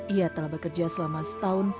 ia telah bekerja selama setahun